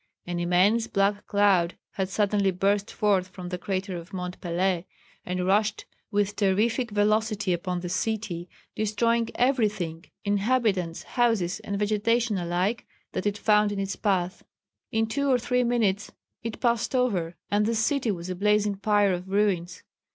"An immense black cloud had suddenly burst forth from the crater of Mont Pelée and rushed with terrific velocity upon the city, destroying everything inhabitants, houses and vegetation alike that it found in its path. In two or three minutes it passed over, and the city was a blazing pyre of ruins.